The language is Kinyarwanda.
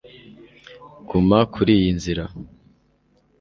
Guma kuriyi nzira